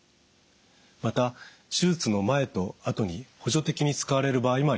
また手術の前とあとに補助的に使われる場合もあります。